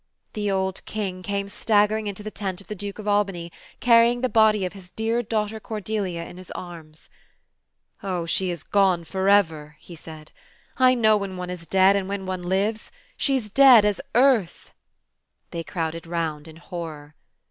The old King came staggering into the tent of the Duke of Albany, carrying the body of his dear daughter Cordelia in his arms. it Oh, she is gone for ever," he said. "I know when one is dead, and when one lives. She's dead as earth." They crowded round in horror.